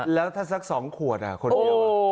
แล้วถ้าสัก๒ขวดคนเดียว